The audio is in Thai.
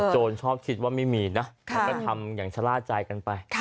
ชอบคิดว่าไม่มีนะมันก็ทำอย่างชะล่าใจกันไป